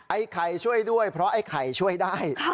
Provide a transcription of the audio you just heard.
ไอ้ไข่ช่วยด้วยเพราะไอ้ไข่ช่วยได้